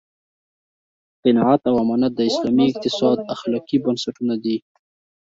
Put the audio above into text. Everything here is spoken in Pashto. قناعت او امانت د اسلامي اقتصاد اخلاقي بنسټونه دي.